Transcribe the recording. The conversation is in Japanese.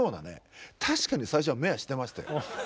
確かに最初は目はしてましたよ。